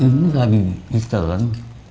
ini tadi bisa kan